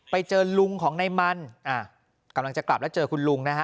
ไปเจอลุงของนายมันกำลังจะกลับแล้วเจอคุณลุงนะฮะ